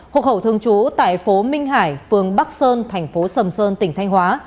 hộc hậu thường trú tại phố minh hải phường bắc sơn thành phố sầm sơn tỉnh thanh hóa